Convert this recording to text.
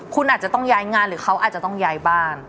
คุณอาจจะต้องย้ายงานหรือเขาอาจจะต้องย้ายบ้าน